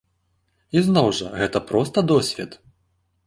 І зноў жа гэта проста досвед.